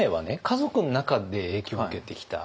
家族の中で影響を受けてきた。